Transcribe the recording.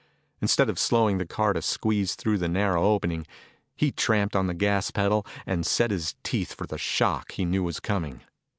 Instead of slowing the car to squeeze through the narrow opening, he tramped on the gas pedal and set his teeth for the shock he knew was coming.